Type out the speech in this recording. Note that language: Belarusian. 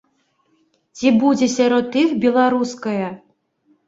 Ці будзе сярод іх беларуская?